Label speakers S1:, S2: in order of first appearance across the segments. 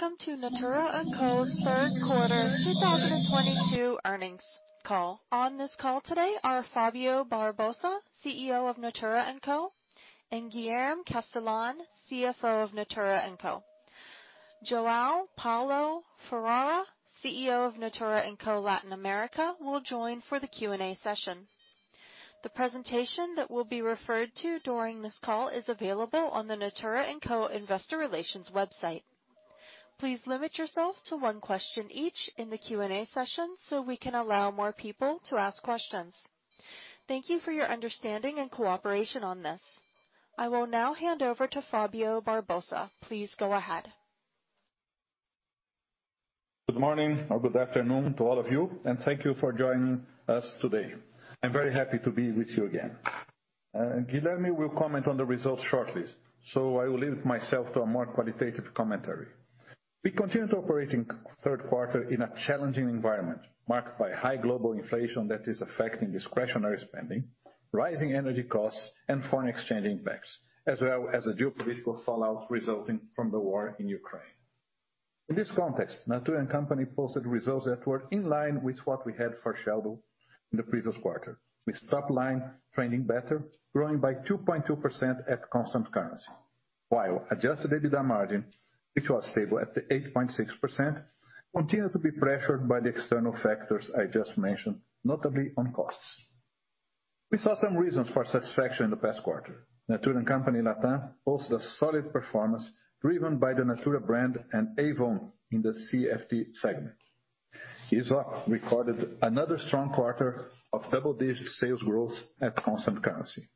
S1: Welcome to Natura &Co's third quarter 2022 earnings call. On this call today are Fábio Barbosa, CEO of Natura &Co, and Guilherme Castellan, CFO of Natura &Co. João Paulo Ferreira, CEO of Natura &Co Latin America, will join for the Q&A session. The presentation that will be referred to during this call is available on the Natura &Co investor relations website. Please limit yourself to one question each in the Q&A session, so we can allow more people to ask questions. Thank you for your understanding and cooperation on this. I will now hand over to Fábio Barbosa. Please go ahead.
S2: Good morning or good afternoon to all of you, and thank you for joining us today. I'm very happy to be with you again. Guilherme will comment on the results shortly, so I will limit myself to a more qualitative commentary. We continued operating third quarter in a challenging environment, marked by high global inflation that is affecting discretionary spending, rising energy costs, and foreign exchange impacts, as well as the geopolitical fallout resulting from the war in Ukraine. In this context, Natura & Co posted results that were in line with what we had foreshadowed in the previous quarter, with top line trending better, growing by 2.2% at constant currency. While adjusted EBITDA margin, which was stable at 8.6%, continued to be pressured by the external factors I just mentioned, notably on costs. We saw some reasons for satisfaction in the past quarter. Natura &Co LatAm posted a solid performance driven by the Natura brand and Avon in the CFT segment. Aesop recorded another strong quarter of double-digit sales growth at constant currency.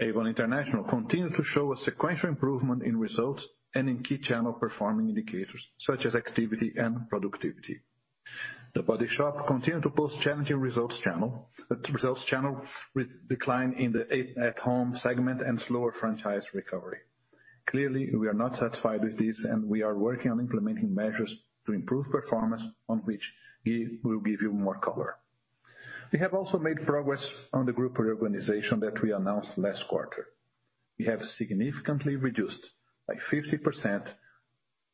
S2: Avon International continued to show a sequential improvement in results and in key channel performance indicators, such as activity and productivity. The Body Shop continued to post challenging results channel with decline in the at-home segment and slower franchise recovery. Clearly, we are not satisfied with this, and we are working on implementing measures to improve performance, on which Gui will give you more color. We have also made progress on the group reorganization that we announced last quarter. We have significantly reduced, by 50%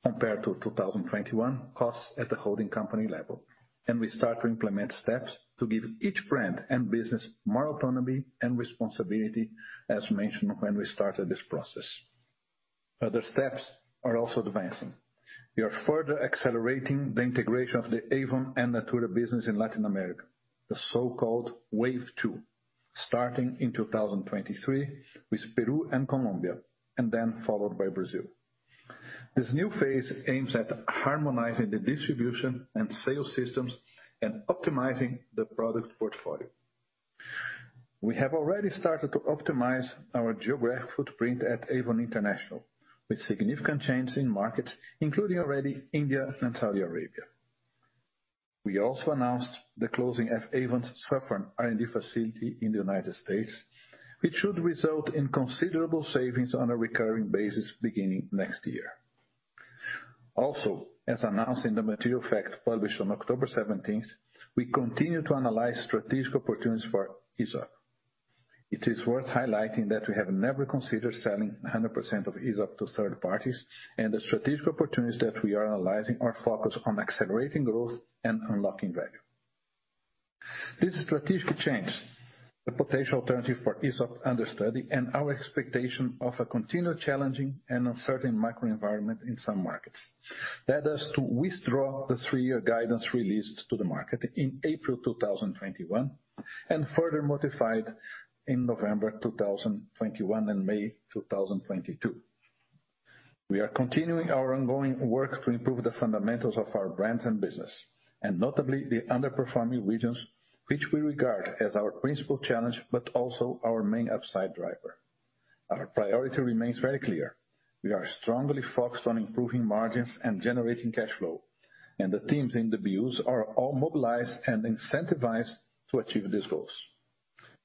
S2: compared to 2021, costs at the holding company level, and we start to implement steps to give each brand and business more autonomy and responsibility, as mentioned when we started this process. Other steps are also advancing. We are further accelerating the integration of the Avon and Natura business in Latin America, the so-called Wave 2, starting in 2023 with Peru and Colombia, and then followed by Brazil. This new phase aims at harmonizing the distribution and sales systems and optimizing the product portfolio. We have already started to optimize our geographic footprint at Avon International, with significant changes in markets, including already India and Saudi Arabia. We also announced the closing of Avon's Suffern R&D facility in the United States, which should result in considerable savings on a recurring basis beginning next year. As announced in the material fact published on October 17, we continue to analyze strategic opportunities for Aesop. It is worth highlighting that we have never considered selling 100% of Aesop to third parties, and the strategic opportunities that we are analyzing are focused on accelerating growth and unlocking value. These strategic changes, the potential alternative for Aesop under study, and our expectation of a continued challenging and uncertain macro environment in some markets, lead us to withdraw the three-year guidance released to the market in April 2021 and further modified in November 2021 and May 2022. We are continuing our ongoing work to improve the fundamentals of our brands and business, and notably the underperforming regions, which we regard as our principal challenge, but also our main upside driver. Our priority remains very clear. We are strongly focused on improving margins and generating cash flow, and the teams in the BUs are all mobilized and incentivized to achieve these goals.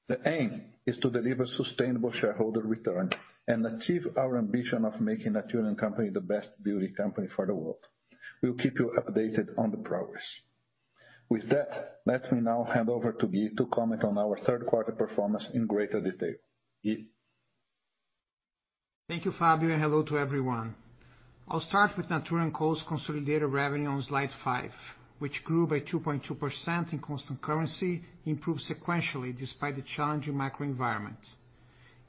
S2: The aim is to deliver sustainable shareholder return and achieve our ambition of making Natura & Co the best beauty company for the world. We'll keep you updated on the progress. With that, let me now hand over to Gui to comment on our third quarter performance in greater detail. Gui?
S3: Thank you, Fábio, and hello to everyone. I'll start with Natura & Co's consolidated revenue on slide 5, which grew by 2.2% in constant currency, improved sequentially despite the challenging macro environment.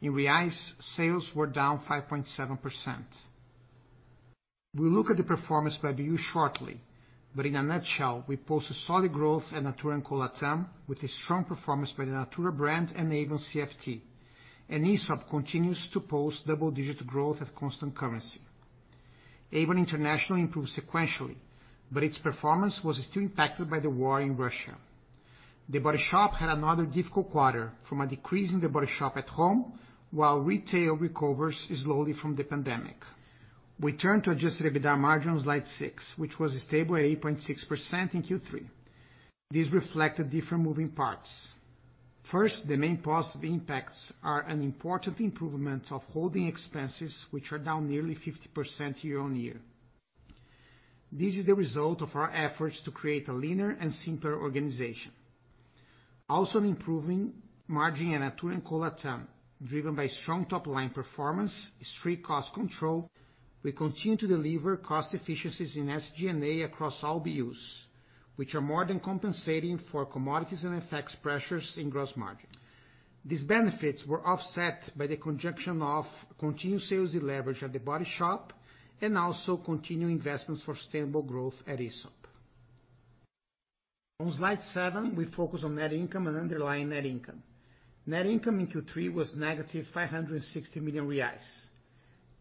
S3: In reais, sales were down 5.7%. We'll look at the performance by BU shortly, but in a nutshell, we post a solid growth at Natura & Co LatAm with a strong performance by the Natura brand and Avon CFT. Aesop continues to post double-digit growth at constant currency. Avon International improved sequentially, but its performance was still impacted by the war in Russia. The Body Shop had another difficult quarter from a decrease in The Body Shop At Home, while retail recovers slowly from the pandemic. We turn to adjusted EBITDA margins, slide 6, which was stable at 8.6% in Q3. This reflected different moving parts. First, the main positive impacts are an important improvement of holding expenses, which are down nearly 50% year-on-year. This is the result of our efforts to create a leaner and simpler organization. Also, improving margin at Natura &Co LatAm, driven by strong top-line performance and effective cost control. We continue to deliver cost efficiencies in SG&A across all BUs, which are more than compensating for commodities and FX pressures in gross margin. These benefits were offset by the conjunction of continued sales deleverage at The Body Shop and also continuing investments for sustainable growth at Aesop. On slide 7, we focus on net income and underlying net income. Net income in Q3 was -560 million reais.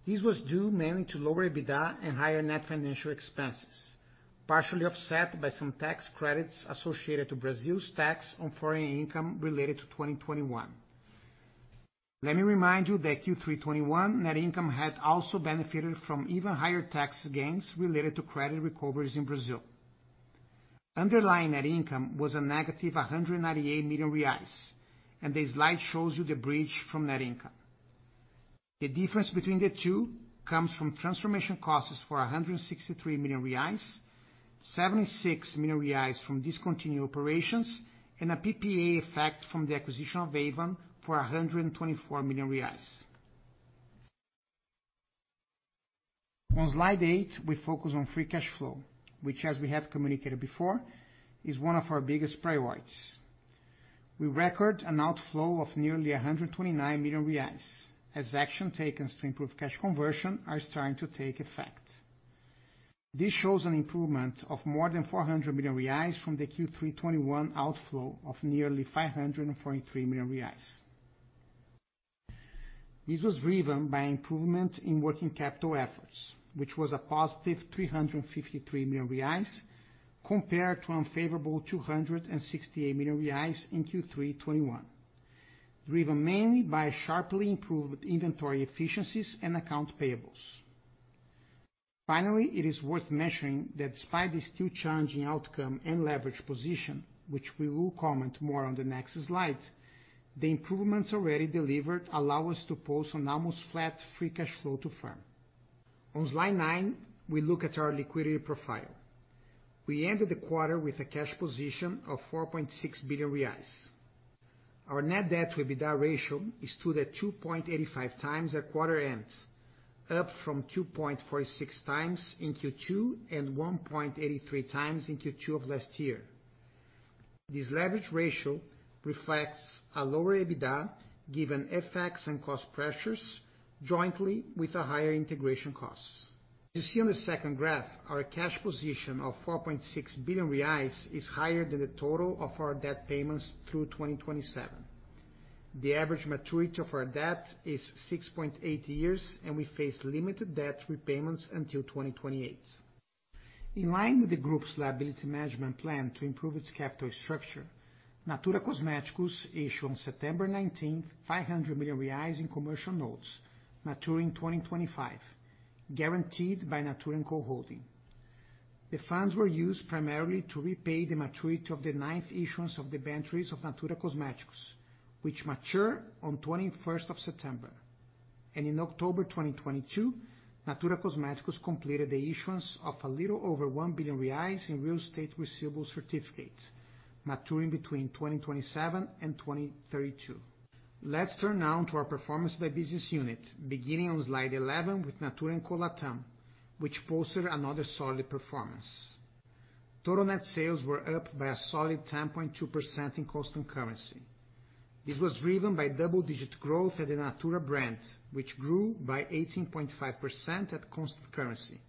S3: This was due mainly to lower EBITDA and higher net financial expenses, partially offset by some tax credits associated to Brazil's tax on foreign income related to 2021. Let me remind you that Q3 2021 net income had also benefited from even higher tax gains related to credit recoveries in Brazil. Underlying net income was negative 198 million reais, and the slide shows you the bridge from net income. The difference between the two comes from transformation costs for 163 million reais, 76 million reais from discontinued operations, and a PPA effect from the acquisition of Avon for 124 million reais. On slide 8, we focus on free cash flow, which as we have communicated before, is one of our biggest priorities. We record an outflow of nearly 129 million reais as actions taken to improve cash conversion are starting to take effect. This shows an improvement of more than 400 million reais from the Q3 2021 outflow of nearly 543 million reais. This was driven by improvement in working capital efforts, which was a positive 353 million reais compared to unfavorable 268 million reais in Q3 2021, driven mainly by sharply improved inventory efficiencies and accounts payable. It is worth mentioning that despite the still challenging outcome and leverage position, which we will comment more on the next slide, the improvements already delivered allow us to post an almost flat free cash flow to firm. On slide 9, we look at our liquidity profile. We ended the quarter with a cash position of 4.6 billion reais. Our net debt to EBITDA ratio stood at 2.85x at quarter end, up from 2.46x in Q2 and 1.83x in Q2 of last year. This leverage ratio reflects a lower EBITDA given FX and cost pressures jointly with a higher integration cost. You see on the second graph, our cash position of 4.6 billion reais is higher than the total of our debt payments through 2027. The average maturity of our debt is 6.8 years, and we face limited debt repayments until 2028. In line with the group's liability management plan to improve its capital structure, Natura Cosméticos issued on September 19, 500 million reais in commercial notes maturing 2025, guaranteed by Natura & Co Holding. The funds were used primarily to repay the maturity of the ninth issuance of debentures of Natura Cosméticos, which mature on 21st of September. In October 2022, Natura Cosméticos completed the issuance of a little over 1 billion reais in real estate receivable certificates maturing between 2027 and 2032. Let's turn now to our performance by business unit, beginning on slide 11 with Natura &Co LatAm, which posted another solid performance. Total net sales were up by a solid 10.2% in constant currency. This was driven by double-digit growth at the Natura brand, which grew by 18.5% at constant currency,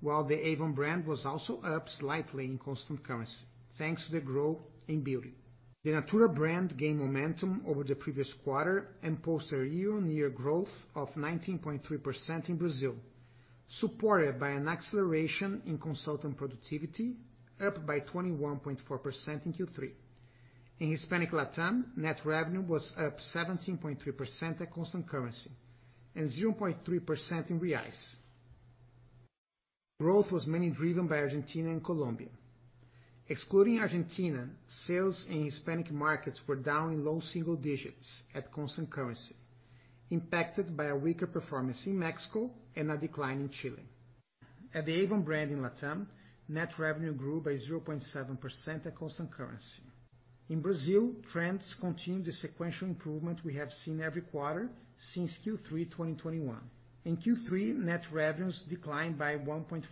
S3: while the Avon brand was also up slightly in constant currency thanks to the growth in beauty. The Natura brand gained momentum over the previous quarter and posted a year-on-year growth of 19.3% in Brazil, supported by an acceleration in consultant productivity, up by 21.4% in Q3. In Hispanic LatAm, net revenue was up 17.3% at constant currency and 0.3% in reais. Growth was mainly driven by Argentina and Colombia. Excluding Argentina, sales in Hispanic markets were down in low single digits at constant currency, impacted by a weaker performance in Mexico and a decline in Chile. At the Avon brand in LatAm, net revenue grew by 0.7% at constant currency. In Brazil, trends continued the sequential improvement we have seen every quarter since Q3 2021. In Q3, net revenues declined by 1.4%.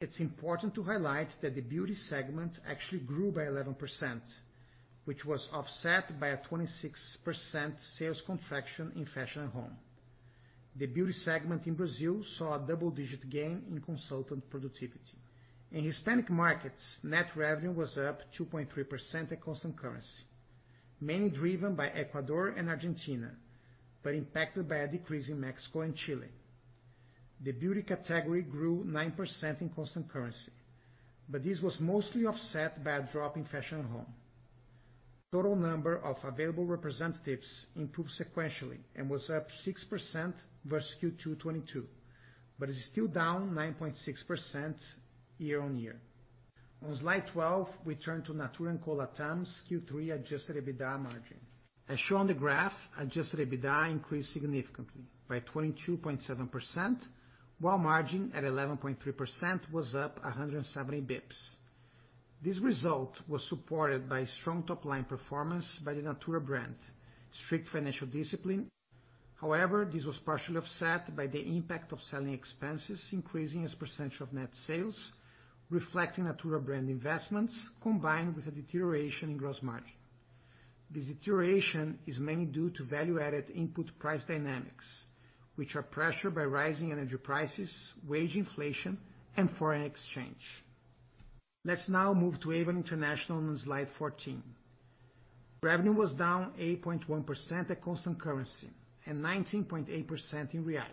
S3: It's important to highlight that the beauty segment actually grew by 11%, which was offset by a 26% sales contraction in fashion and home. The beauty segment in Brazil saw a double-digit gain in consultant productivity. In Hispanic markets, net revenue was up 2.3% at constant currency, mainly driven by Ecuador and Argentina, but impacted by a decrease in Mexico and Chile. The beauty category grew 9% in constant currency, but this was mostly offset by a drop in fashion and home. Total number of available representatives improved sequentially and was up 6% versus Q2 2022, but is still down 9.6% year-over-year. On slide 12, we turn to Natura &Co LatAm's Q3 adjusted EBITDA margin. As shown on the graph, adjusted EBITDA increased significantly by 22.7%, while margin at 11.3% was up 170 basis points. This result was supported by strong top-line performance by the Natura brand, strict financial discipline. However, this was partially offset by the impact of selling expenses increasing as a percentage of net sales, reflecting Natura brand investments, combined with a deterioration in gross margin. This deterioration is mainly due to value-added input price dynamics, which are pressured by rising energy prices, wage inflation, and foreign exchange. Let's now move to Avon International on slide 14. Revenue was down 8.1% at constant currency and 19.8% in reais.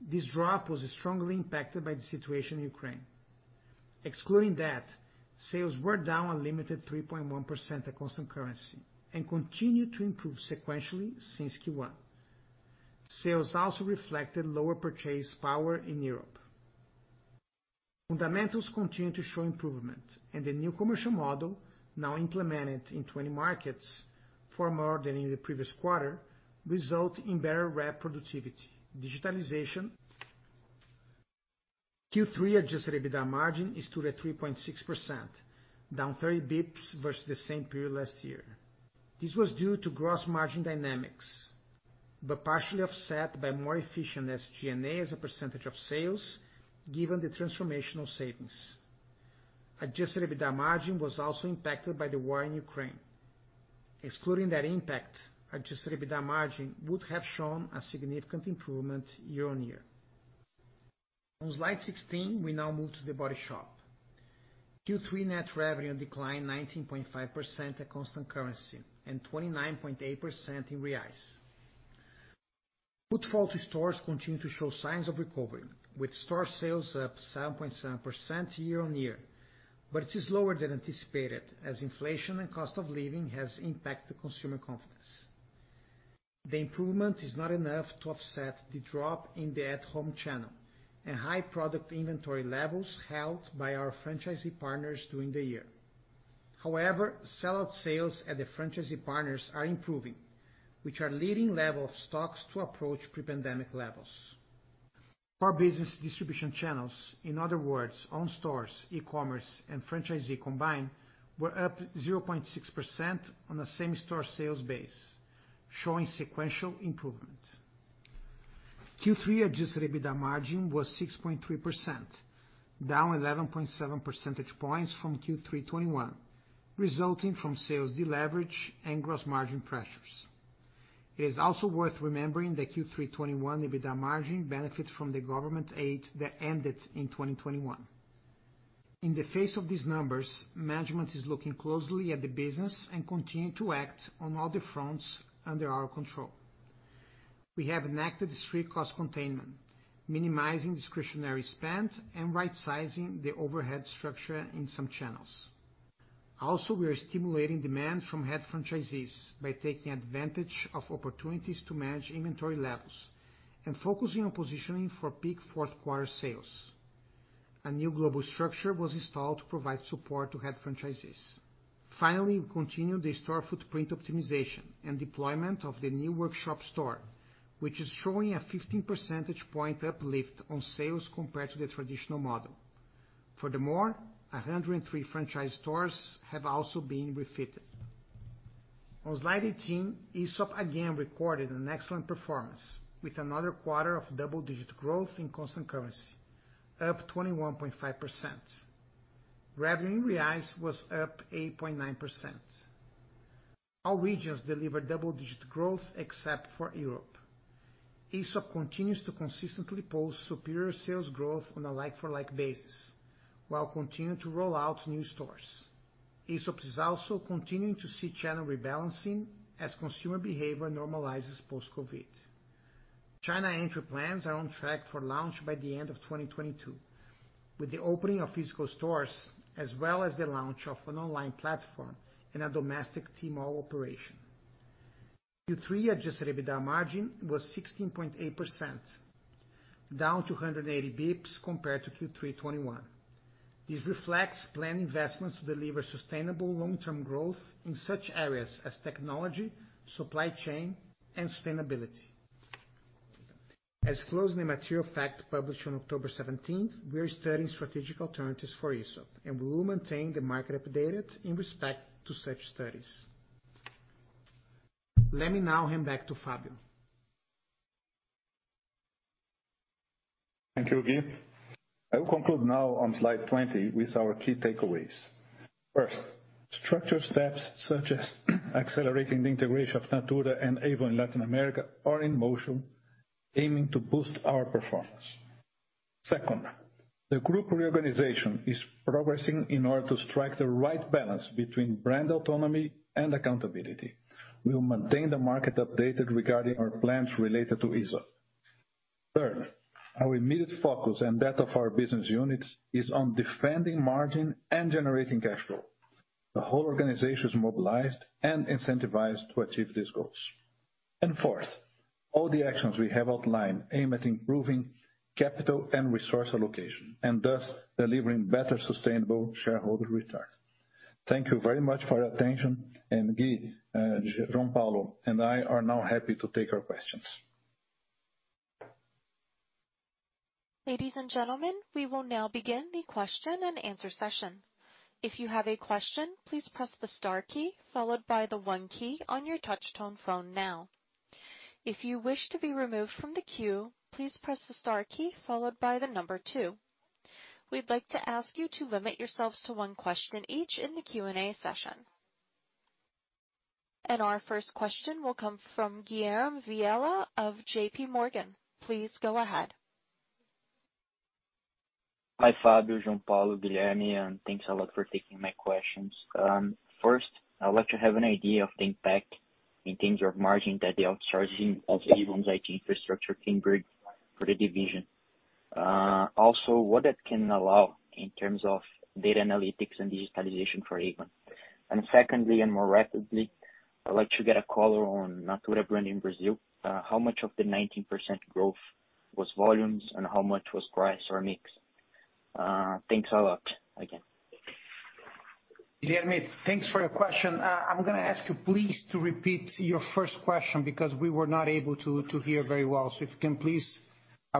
S3: This drop was strongly impacted by the situation in Ukraine. Excluding that, sales were down a limited 3.1% at constant currency and continue to improve sequentially since Q1. Sales also reflected lower purchasing power in Europe. Fundamentals continue to show improvement, and the new commercial model, now implemented in 20 markets, four more than in the previous quarter, result in better rep productivity. Q3 adjusted EBITDA margin is still at 3.6%, down 30 bps versus the same period last year. This was due to gross margin dynamics, but partially offset by more efficient SG&A as a percentage of sales given the transformational savings. Adjusted EBITDA margin was also impacted by the war in Ukraine. Excluding that impact, adjusted EBITDA margin would have shown a significant improvement year-on-year. On slide 16, we now move to The Body Shop. Q3 net revenue declined 19.5% at constant currency and 29.8% in reais. Footfall to stores continue to show signs of recovery, with store sales up 7.7% year-on-year. It is lower than anticipated as inflation and cost of living has impacted consumer confidence. The improvement is not enough to offset the drop in the at-home channel and high product inventory levels held by our franchisee partners during the year. However, sellout sales at the franchisee partners are improving, which are leading level of stocks to approach pre-pandemic levels. Our business distribution channels, in other words, own stores, e-commerce, and franchisee combined were up 0.6% on a same-store sales base, showing sequential improvement. Q3 adjusted EBITDA margin was 6.3%, down 11.7 percentage points from Q3 2021, resulting from sales deleverage and gross margin pressures. It is also worth remembering that Q3 2021 EBITDA margin benefited from the government aid that ended in 2021. In the face of these numbers, management is looking closely at the business and continue to act on all the fronts under our control. We have enacted strict cost containment, minimizing discretionary spend, and right-sizing the overhead structure in some channels. Also, we are stimulating demand from head franchisees by taking advantage of opportunities to manage inventory levels and focusing on positioning for peak fourth quarter sales. A new global structure was installed to provide support to head franchisees. Finally, we continue the store footprint optimization and deployment of the new workshop store, which is showing a 15 percentage point uplift on sales compared to the traditional model. Furthermore, 103 franchise stores have also been refitted. On slide 18, Aesop again recorded an excellent performance with another quarter of double-digit growth in constant currency, up 21.5%. Revenue in reais was up 8.9%. All regions delivered double-digit growth except for Europe. Aesop continues to consistently post superior sales growth on a like-for-like basis, while continuing to roll out new stores. Aesop is also continuing to see channel rebalancing as consumer behavior normalizes post-COVID. China entry plans are on track for launch by the end of 2022, with the opening of physical stores as well as the launch of an online platform in a domestic Tmall operation. Q3 adjusted EBITDA margin was 16.8%, down 280 basis points compared to Q3 2021. This reflects planned investments to deliver sustainable long-term growth in such areas as technology, supply chain, and sustainability. As disclosed in the material fact published on October 17th, we are studying strategic alternatives for Aesop, and we will maintain the market updated in respect to such studies. Let me now hand back to Fábio.
S2: Thank you, Gui. I will conclude now on slide 20 with our key takeaways. First, structured steps such as accelerating the integration of Natura and Avon Latin America are in motion, aiming to boost our performance. Second, the group reorganization is progressing in order to strike the right balance between brand autonomy and accountability. We will maintain the market updated regarding our plans related to Aesop. Third, our immediate focus and that of our business units is on defending margin and generating cash flow. The whole organization is mobilized and incentivized to achieve these goals. Fourth, all the actions we have outlined aim at improving capital and resource allocation, and thus delivering better sustainable shareholder returns. Thank you very much for your attention. Gui, João Paulo and I are now happy to take your questions.
S1: Ladies and gentlemen, we will now begin the question and answer session. If you have a question, please press the star key followed by the one key on your touch tone phone now. If you wish to be removed from the queue, please press the star key followed by the number two. We'd like to ask you to limit yourselves to one question each in the Q&A session. Our first question will come from Guilherme Vilela of J.P. Morgan. Please go ahead.
S4: Hi, Fábio, João Paulo, Guilherme, and thanks a lot for taking my questions. First, I would like to have an idea of the impact in terms of margin that the outsourcing of Avon's IT infrastructure can bring for the division. Also, what that can allow in terms of data analytics and digitalization for Avon. Secondly and more rapidly, I'd like to get a color on Natura brand in Brazil. How much of the 19% growth was volumes and how much was price or mix? Thanks a lot again.
S3: Guilherme, thanks for your question. I'm gonna ask you please to repeat your first question because we were not able to hear very well. If you can please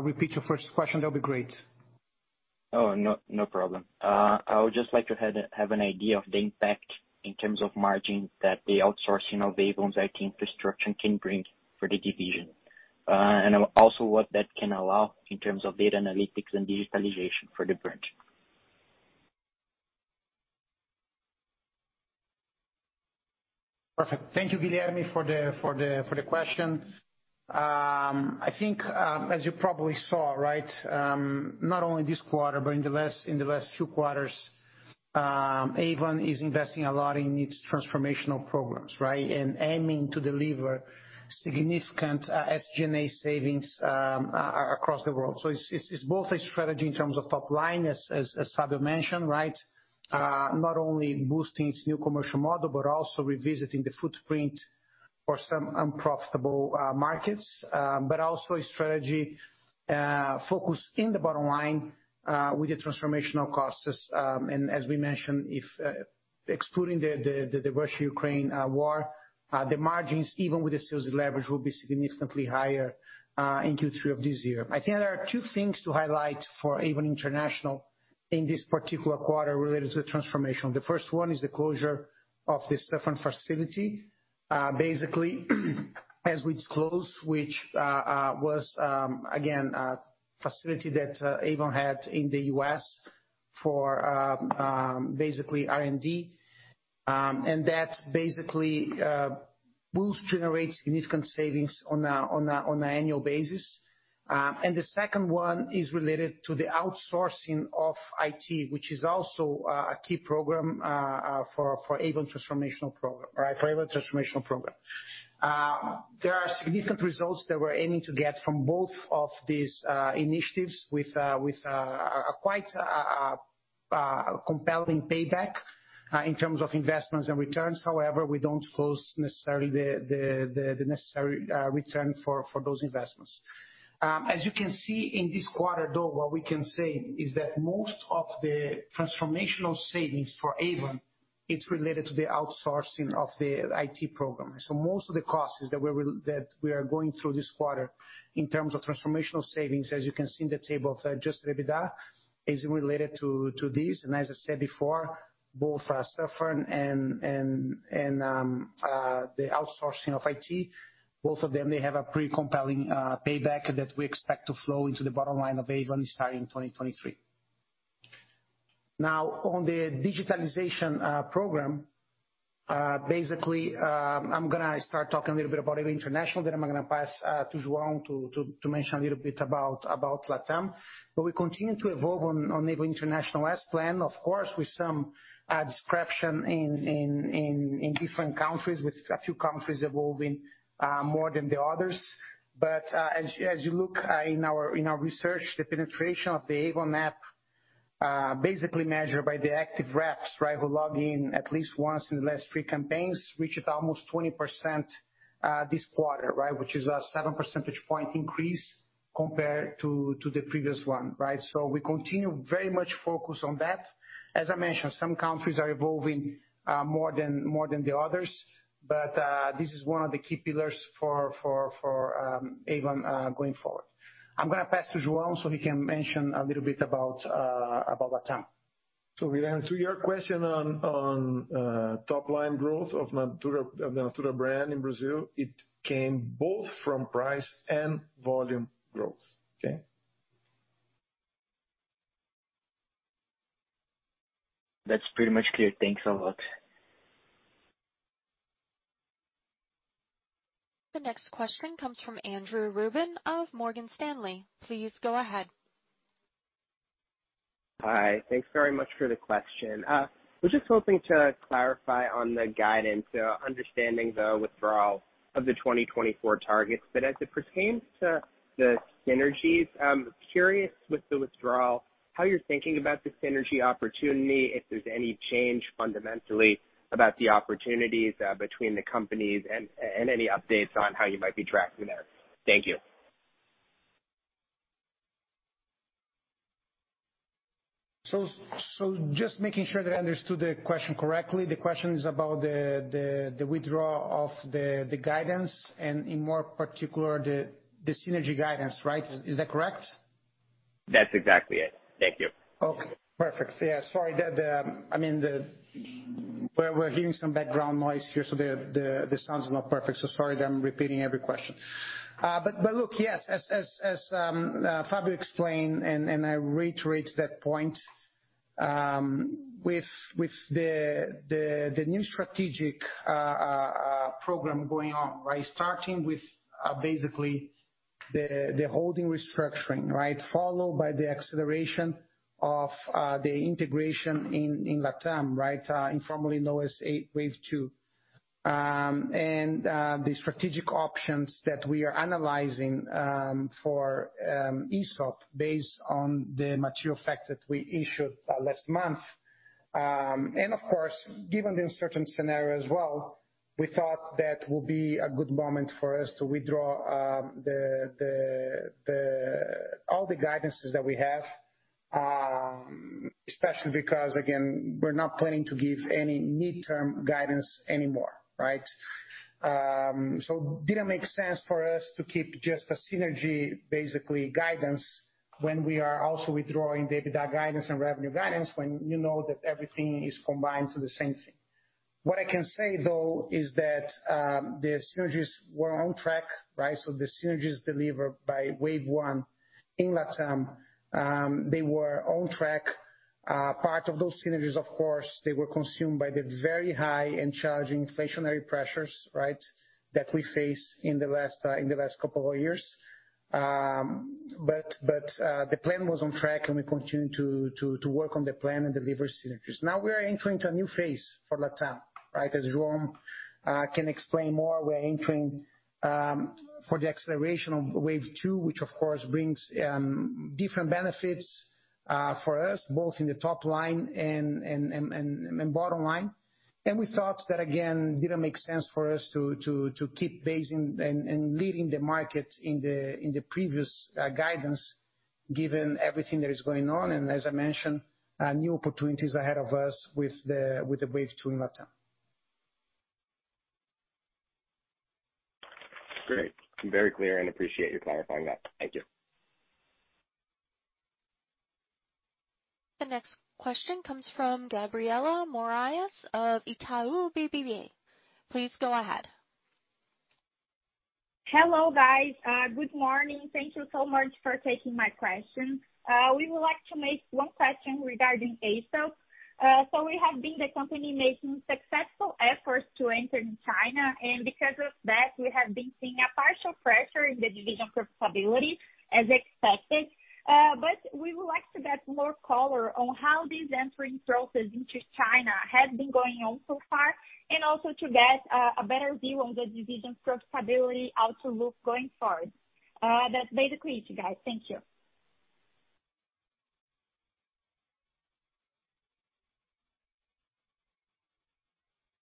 S3: repeat your first question, that'll be great.
S4: Oh, no problem. I would just like to have an idea of the impact in terms of margin that the outsourcing of Avon's IT infrastructure can bring for the division. Also what that can allow in terms of data analytics and digitalization for the brand.
S3: Perfect. Thank you, Guilherme, for the question. I think, as you probably saw, right, not only this quarter but in the last few quarters, Avon is investing a lot in its transformational programs, right. Aiming to deliver significant SG&A savings across the world. It's both a strategy in terms of top line as Fábio mentioned, right. Not only boosting its new commercial model, but also revisiting the footprint for some unprofitable markets. But also a strategy focused in the bottom line with the transformational costs. As we mentioned, if excluding the Russia-Ukraine war, the margins, even with the sales leverage, will be significantly higher in Q3 of this year. I think there are two things to highlight for Avon International in this particular quarter related to the transformation. The first one is the closure of the Suffern facility. Basically, as we close, which was again a facility that Avon had in the U.S. for basically R&D. And that basically generate significant savings on an annual basis. The second one is related to the outsourcing of IT, which is also a key program for Avon transformational program, right? There are significant results that we're aiming to get from both of these initiatives with a quite compelling payback in terms of investments and returns. However, we don't close necessarily the necessary return for those investments. As you can see in this quarter though, what we can say is that most of the transformational savings for Avon, it's related to the outsourcing of the IT program. Most of the costs that we are going through this quarter in terms of transformational savings, as you can see in the table of adjusted EBITDA, is related to this. As I said before, both step one and the outsourcing of IT, both of them, they have a pretty compelling payback that we expect to flow into the bottom line of Avon starting in 2023. Now on the digitalization program, basically, I'm gonna start talking a little bit about Avon International, then I'm gonna pass to João to mention a little bit about LatAm. We continue to evolve on the Avon International's plan, of course, with some disruption in different countries with a few countries evolving more than the others. As you look in our research, the penetration of the Avon ON basically measured by the active reps, right? who log in at least once in the last three campaigns, reached almost 20% this quarter, right? Which is a seven percentage point increase compared to the previous one, right? We continue very much focused on that. As I mentioned, some countries are evolving more than the others, but this is one of the key pillars for Avon going forward. I'm gonna pass to João so he can mention a little bit about LatAm.
S5: Guilherme, to your question on top line growth of Natura brand in Brazil, it came both from price and volume growth. Okay?
S4: That's pretty much clear. Thanks a lot.
S1: The next question comes from Andrew Ruben of Morgan Stanley. Please go ahead.
S6: Hi. Thanks very much for the question. Was just hoping to clarify on the guidance, understanding the withdrawal of the 2024 targets. As it pertains to the synergies, curious with the withdrawal, how you're thinking about the synergy opportunity, if there's any change fundamentally about the opportunities between the companies and any updates on how you might be tracking that. Thank you.
S3: Just making sure that I understood the question correctly. The question is about the withdrawal of the guidance and in particular the synergy guidance, right? Is that correct?
S4: That's exactly it. Thank you.
S3: Okay, perfect. Yeah, sorry. I mean, we're hearing some background noise here, so the sound's not perfect, so sorry that I'm repeating every question. Look, yes, as Fábio explained, and I reiterate that point, with the new strategic program going on, right? Starting with basically the holding restructuring, right? Followed by the acceleration of the integration in LatAm, right? Informally known as Wave 2. The strategic options that we are analyzing for Aesop based on the material fact that we issued last month. Of course, given the uncertain scenario as well, we thought that would be a good moment for us to withdraw all the guidances that we have, especially because again, we're not planning to give any mid-term guidance anymore, right? Didn't make sense for us to keep just a synergy, basically guidance when we are also withdrawing the EBITDA guidance and revenue guidance when you know that everything is combined to the same thing. What I can say though is that the synergies were on track, right? The synergies delivered by Wave One in LatAm, they were on track. Part of those synergies of course, they were consumed by the very high and challenging inflationary pressures, right? That we faced in the last couple of years. The plan was on track and we continue to work on the plan and deliver synergies. Now we are entering to a new phase for LatAm, right? As João Paulo Ferreira can explain more, we're entering for the acceleration of Wave 2, which of course brings different benefits for us, both in the top line and bottom line. We thought that again, didn't make sense for us to keep basing and leading the market in the previous guidance, given everything that is going on, and as I mentioned, new opportunities ahead of us with the Wave 2 in LatAm.
S4: Great. Very clear and appreciate your clarifying that. Thank you.
S1: The next question comes from Gabriela Moraes of Itaú BBA. Please go ahead.
S7: Hello, guys. Good morning. Thank you so much for taking my question. We would like to make one question regarding Aesop. We have seen the company making successful efforts to enter in China, and because of that, we have been seeing a margin pressure in the division profitability, as expected. We would like to get more color on how this entering process into China has been going on so far, and also to get a better view on the division's profitability outlook going forward. That's basically it, you guys. Thank you.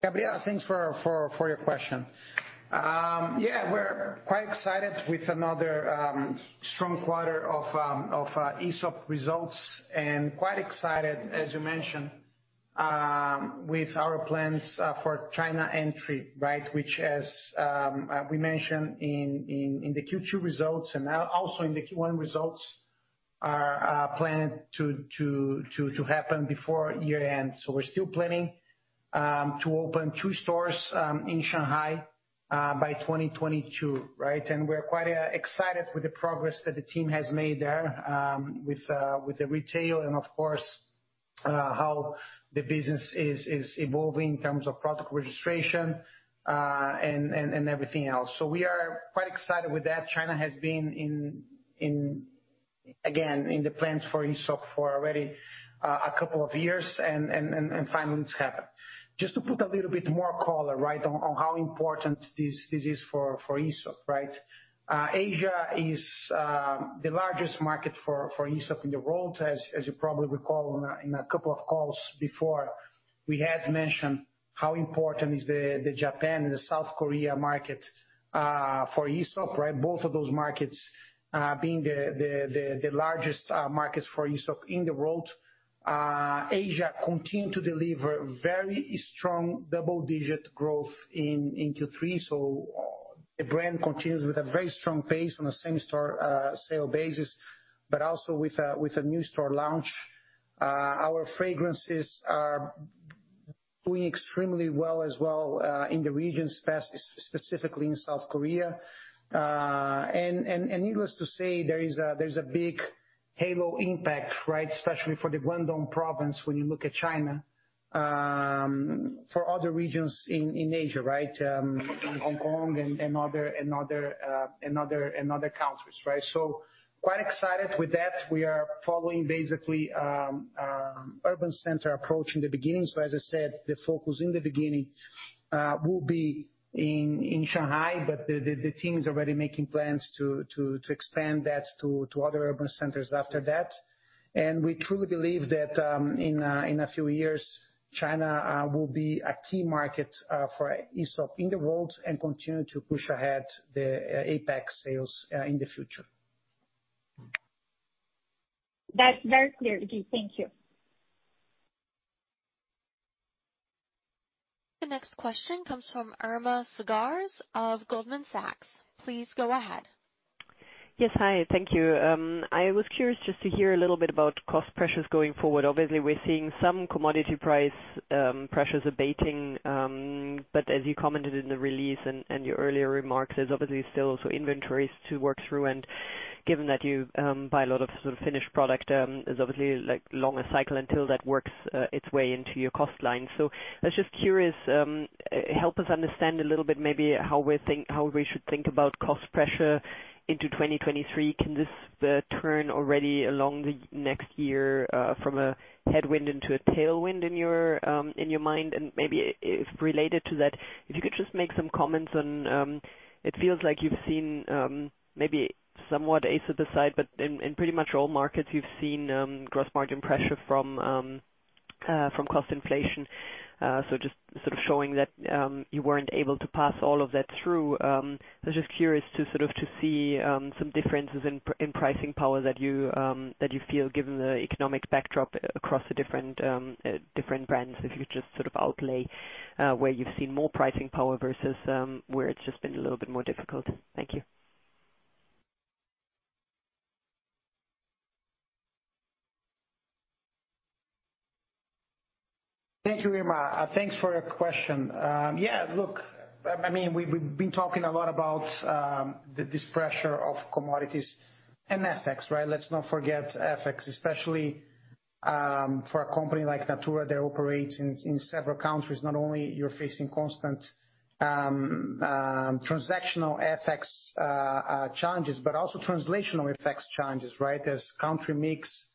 S3: Gabriela, thanks for your question. Yeah, we're quite excited with another strong quarter of Aesop results, and quite excited, as you mentioned, with our plans for China entry, right? Which, as we mentioned in the Q2 results and also in the Q1 results, are planned to happen before year-end. We're still planning to open two stores in Shanghai by 2022, right? We're quite excited with the progress that the team has made there, with the retail and of course, how the business is evolving in terms of product registration, and everything else. We are quite excited with that. China has been in the plans for Aesop already for a couple of years and finally it's happened. Just to put a little bit more color, right, on how important this is for Aesop, right? Asia is the largest market for Aesop in the world. As you probably recall in a couple of calls before, we had mentioned how important is the Japan and the South Korea market for Aesop, right? Both of those markets being the largest markets for Aesop in the world. Asia continued to deliver very strong double-digit growth in Q3, so the brand continues with a very strong pace on a same-store sale basis, but also with a new store launch. Our fragrances are doing extremely well as well in the region, specifically in South Korea. Needless to say, there is a big halo impact, right? Especially for the Guangdong province when you look at China, for other regions in Asia, right? Hong Kong and other countries, right? Quite excited with that. We are following basically urban center approach in the beginning. As I said, the focus in the beginning will be in Shanghai, but the team is already making plans to expand that to other urban centers after that. We truly believe that in a few years China will be a key market for Aesop in the world and continue to push ahead the APAC sales in the future.
S7: That's very clear, Gui. Thank you.
S1: The next question comes from Irma Sgarz of Goldman Sachs. Please go ahead.
S8: Yes. Hi. Thank you. I was curious just to hear a little bit about cost pressures going forward. Obviously, we're seeing some commodity price pressures abating. As you commented in the release and your earlier remarks, there's obviously still some inventories to work through. Given that you buy a lot of sort of finished product, there's obviously like longer cycle until that works its way into your cost line. I was just curious. Help us understand a little bit maybe how we should think about cost pressure into 2023. Can this turn already in the next year from a headwind into a tailwind in your mind? Maybe if related to that, if you could just make some comments on it feels like you've seen maybe somewhat Aesop aside, but in pretty much all markets you've seen gross margin pressure from from cost inflation. So just sort of showing that you weren't able to pass all of that through. I was just curious to sort of see some differences in in pricing power that you feel given the economic backdrop across the different different brands. If you could just sort of outline where you've seen more pricing power versus where it's just been a little bit more difficult. Thank you.
S3: Thank you, Irma. Thanks for your question. Yeah, look, I mean, we've been talking a lot about this pressure of commodities and FX, right? Let's not forget FX, especially, for a company like Natura that operates in several countries. Not only you're facing constant transactional FX challenges, but also translational FX challenges, right? As country mix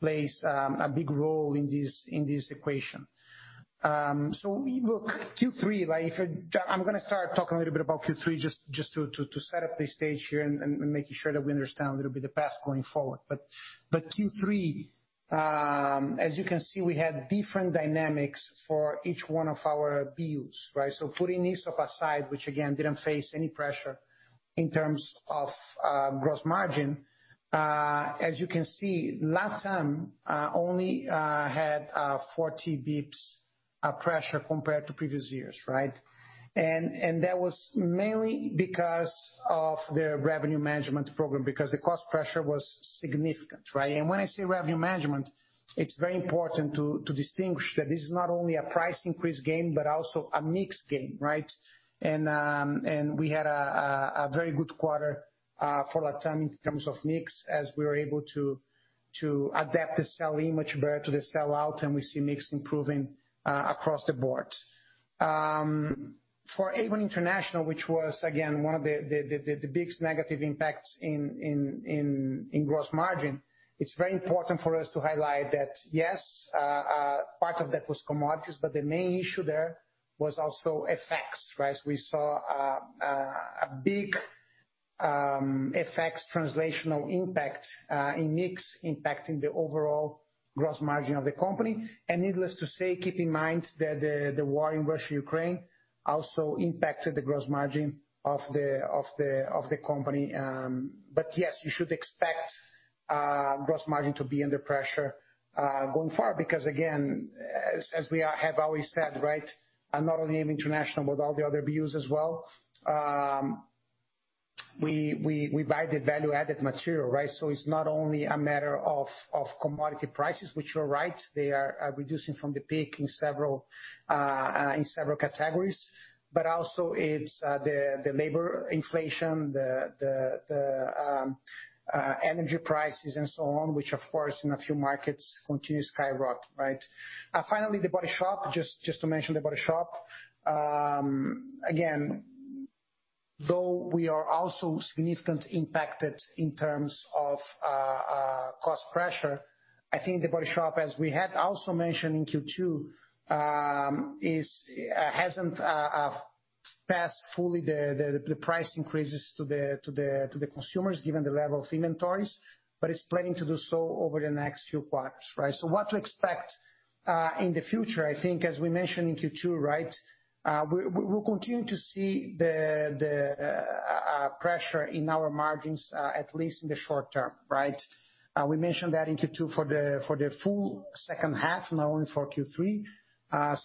S3: plays a big role in this equation. So look, Q3, I'm gonna start talking a little bit about Q3 just to set up the stage here and making sure that we understand a little bit the path going forward. Q3, as you can see, we had different dynamics for each one of our BUs, right? Putting Aesop aside, which again didn't face any pressure in terms of gross margin. As you can see, LatAm only had 40 BPS of pressure compared to previous years, right? That was mainly because of the revenue management program, because the cost pressure was significant, right? When I say revenue management, it's very important to distinguish that this is not only a price increase game, but also a mix game, right? We had a very good quarter for LatAm in terms of mix, as we were able to adapt the sell-in much better to the sell out, and we see mix improving across the board. For Avon International, which was again one of the biggest negative impacts in gross margin, it's very important for us to highlight that, yes, part of that was commodities, but the main issue there was also FX, right? We saw a big FX translational impact in mix impacting the overall gross margin of the company. Needless to say, keep in mind that the war in Russia, Ukraine also impacted the gross margin of the company. Yes, you should expect gross margin to be under pressure going forward. Because again, we have always said, right, and not only in international, but all the other BUs as well. We buy the value-added material, right? It's not only a matter of commodity prices, which you're right, they are reducing from the peak in several categories. It's also the labor inflation, the energy prices and so on, which of course in a few markets continue to skyrocket, right? Finally, The Body Shop, just to mention The Body Shop. Again, though we are also significantly impacted in terms of cost pressure, I think The Body Shop, as we had also mentioned in Q2, hasn't passed fully the price increases to the consumers given the level of inventories. It's planning to do so over the next few quarters, right? What to expect in the future? I think as we mentioned in Q2, right, we'll continue to see the pressure in our margins, at least in the short term, right? We mentioned that in Q2 for the full second half, not only for Q3.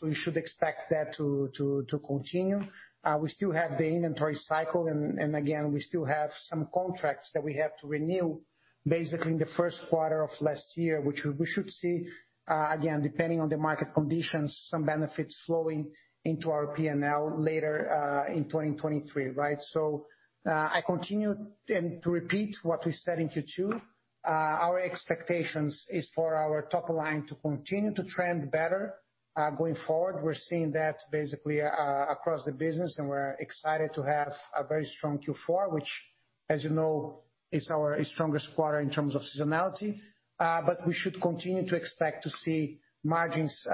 S3: You should expect that to continue. We still have the inventory cycle and again, we still have some contracts that we have to renew basically in the first quarter of last year, which we should see, again, depending on the market conditions, some benefits flowing into our P&L later, in 2023, right? I continue to repeat what we said in Q2. Our expectations is for our top line to continue to trend better, going forward. We're seeing that basically across the business, and we're excited to have a very strong Q4, which as you know, is our strongest quarter in terms of seasonality. We should continue to expect to see margins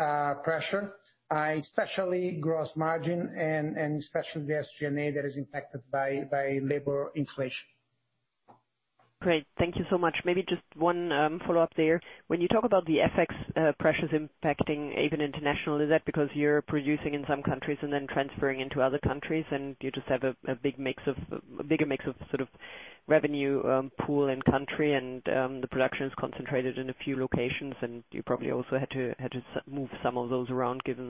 S3: pressure, especially gross margin and especially the SG&A that is impacted by labor inflation.
S8: Great. Thank you so much. Maybe just one follow-up there. When you talk about the FX pressures impacting Avon International, is that because you're producing in some countries and then transferring into other countries and you just have a bigger mix of sort of revenue pool and country and the production is concentrated in a few locations, and you probably also had to move some of those around given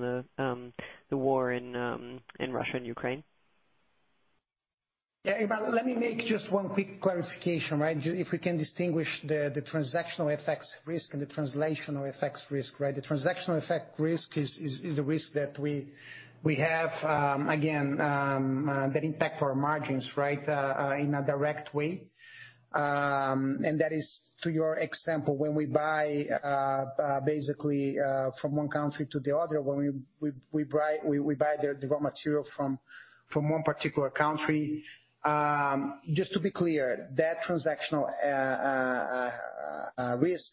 S8: the war in Russia and Ukraine?
S3: Yeah, Irma, let me make just one quick clarification, right? If we can distinguish the transactional effects risk and the translational effects risk, right? The transactional effect risk is the risk that we have, again, that impact our margins, right, in a direct way. That is, to your example, when we buy basically from one country to the other, when we buy the raw material from one particular country. Just to be clear, that transactional risk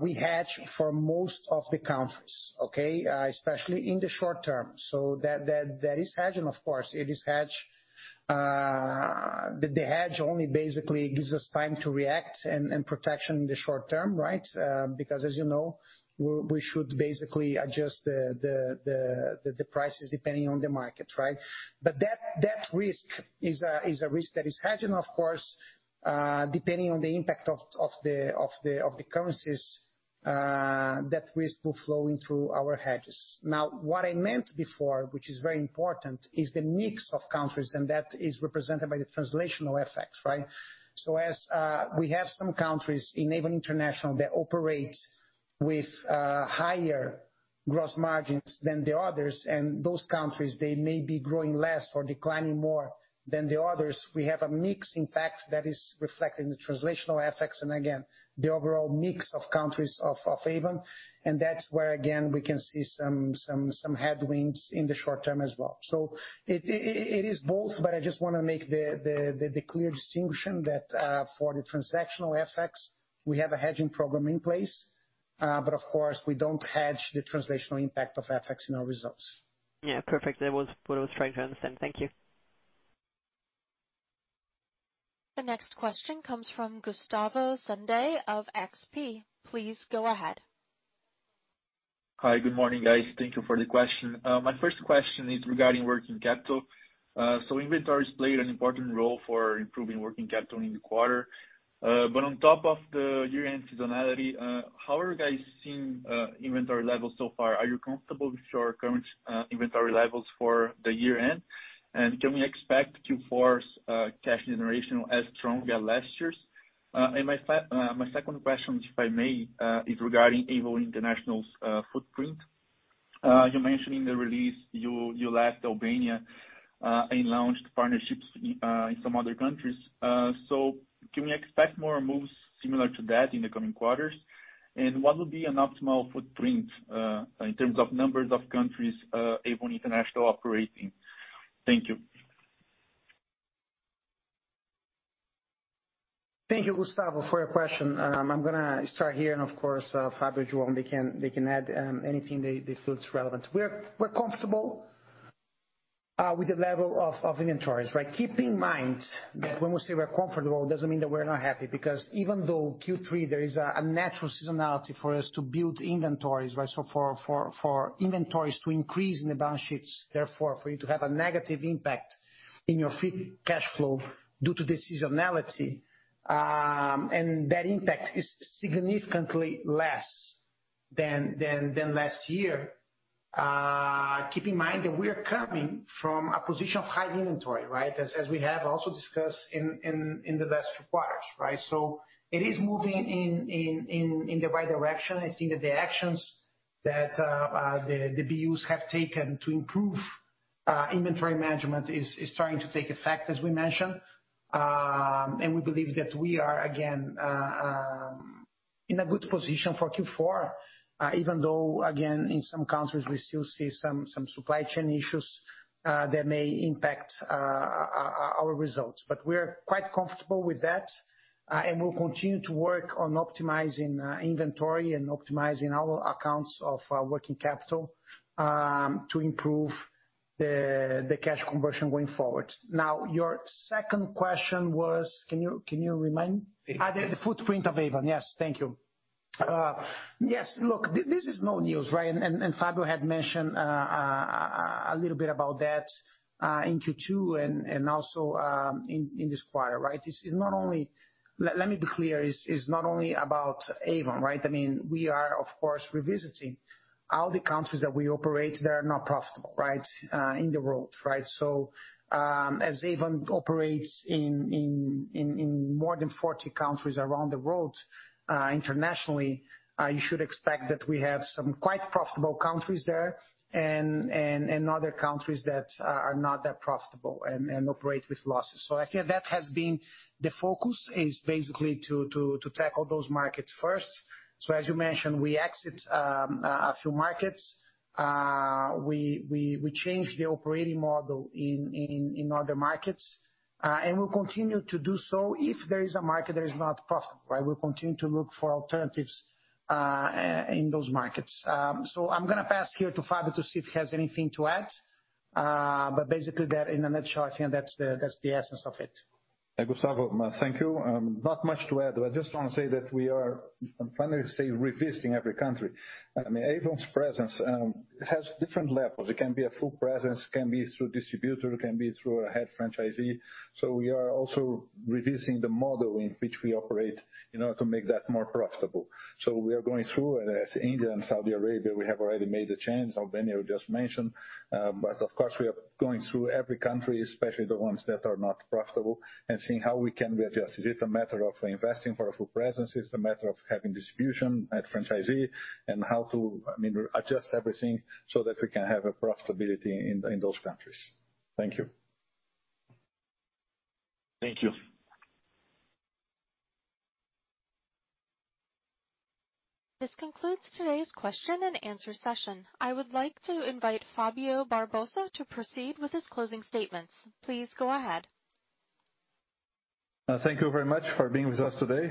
S3: we hedge for most of the countries, okay? Especially in the short term. That is hedged, and of course, it is hedged. The hedge only basically gives us time to react and protection in the short term, right? Because as you know, we should basically adjust the prices depending on the market, right? That risk is a risk that is hedged, and of course, depending on the impact of the currencies, that risk will flow in through our hedges. Now, what I meant before, which is very important, is the mix of countries, and that is represented by the translational effects, right? As we have some countries in Avon International that operate with higher gross margins than the others, and those countries, they may be growing less or declining more than the others. We have a mix impact that is reflecting the translational effects, and again, the overall mix of countries of Avon. That's where, again, we can see some headwinds in the short term as well. It is both, but I just wanna make the clear distinction that, for the transactional effects, we have a hedging program in place. Of course, we don't hedge the translational impact of FX in our results.
S8: Yeah, perfect. That was what I was trying to understand. Thank you.
S1: The next question comes from Gustavo Senday of XP. Please go ahead.
S9: Hi, good morning, guys. Thank you for the question. My first question is regarding working capital. So inventories played an important role for improving working capital in the quarter. But on top of the year-end seasonality, how are you guys seeing inventory levels so far? Are you comfortable with your current inventory levels for the year-end? And can we expect Q4's cash generation as strong as last year's? And my second question, if I may, is regarding Avon International's footprint. You mentioned in the release you left Albania and launched partnerships in some other countries. So can we expect more moves similar to that in the coming quarters? And what would be an optimal footprint in terms of numbers of countries Avon International operate in? Thank you.
S3: Thank you, Gustavo, for your question. I'm gonna start here, and of course, Fábio, João they can add anything that feels relevant. We're comfortable with the level of inventories, right? Keep in mind that when we say we're comfortable, it doesn't mean that we're not happy, because even though Q3, there is a natural seasonality for us to build inventories, right? For inventories to increase in the balance sheets, therefore for you to have a negative impact in your free cash flow due to the seasonality. That impact is significantly less than last year. Keep in mind that we are coming from a position of high inventory, right? As we have also discussed in the last few quarters, right? It is moving in the right direction. I think that the actions that the BUs have taken to improve inventory management is starting to take effect, as we mentioned. We believe that we are again in a good position for Q4, even though, again, in some countries, we still see some supply chain issues that may impact our results. We're quite comfortable with that, and we'll continue to work on optimizing inventory and optimizing our accounts of working capital to improve the cash conversion going forward. Now, your second question was. Can you remind me?
S9: The footprint.
S3: The footprint of Avon. Yes, thank you. Yes. Look, this is no news, right? Fábio had mentioned a little bit about that in Q2 and also in this quarter, right? This is not only. Let me be clear. It's not only about Avon, right? I mean, we are of course revisiting all the countries that we operate that are not profitable, right, in the world, right? As Avon operates in more than 40 countries around the world, internationally, you should expect that we have some quite profitable countries there and other countries that are not that profitable and operate with losses. I think that has been the focus, is basically to tackle those markets first. As you mentioned, we exit a few markets. We change the operating model in other markets. We'll continue to do so if there is a market that is not profitable, right? We'll continue to look for alternatives in those markets. I'm gonna pass here to Fábio to see if he has anything to add. Basically that in a nutshell, I think that's the essence of it.
S2: Hey, Gustavo. Thank you. Not much to add. I just wanna say that we are finally, say, revisiting every country. I mean, Avon's presence has different levels. It can be a full presence, it can be through distributor, it can be through a head franchisee. We are also revisiting the model in which we operate in order to make that more profitable. We are going through it. In India and Saudi Arabia, we have already made the change. Albania we just mentioned. But of course, we are going through every country, especially the ones that are not profitable, and seeing how we can readjust. Is it a matter of investing for a full presence? Is it a matter of having a distributor or franchisee? And how to, I mean, adjust everything so that we can have a profitability in those countries. Thank you.
S9: Thank you.
S1: This concludes today's question and answer session. I would like to invite Fábio Barbosa to proceed with his closing statements. Please go ahead.
S2: Thank you very much for being with us today.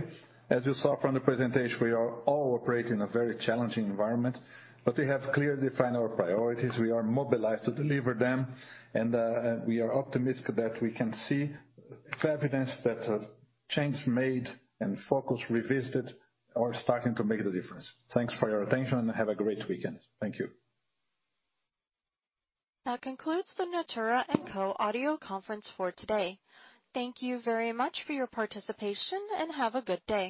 S2: As you saw from the presentation, we are all operating in a very challenging environment, but we have clearly defined our priorities. We are mobilized to deliver them. We are optimistic that we can see evidence that change made and focus revisited are starting to make the difference. Thanks for your attention, and have a great weekend. Thank you.
S1: That concludes the Natura &Co audio conference for today. Thank you very much for your participation, and have a good day.